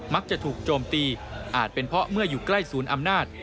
ถูกโจมตีอาจเป็นเพราะเมื่ออยู่ใกล้ศูนย์อำนาจ